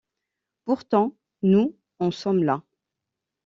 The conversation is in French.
Pourtant, nous en sommes là!